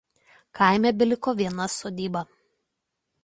Kaime beliko viena sodyba.